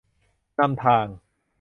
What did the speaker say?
นำทาง